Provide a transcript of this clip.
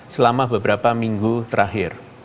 selama beberapa minggu terakhir